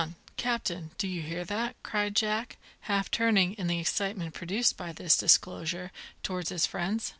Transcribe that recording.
Captain! Do you hear that?" cried Jack, half turning, in the excitement produced by this disclosure, towards his friends.